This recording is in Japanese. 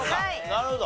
なるほど。